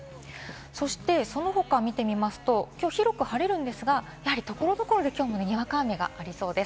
そして、その他を見てみますと、きょう広く晴れるんですが、やはり所々できょうもにわか雨がありそうです。